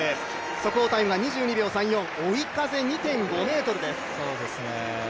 速報タイム２３秒３４、追い風２．５メートルです。